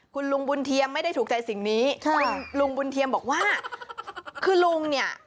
คุณลุงบุญเทียมไม่ได้ถูกใจสิ่งนี้คุณลุงบุญเทียมบอกว่าคือลุงเนี่ย